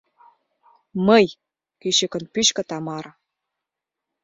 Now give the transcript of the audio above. — Мый! — кӱчыкын пӱчкӧ Тамара.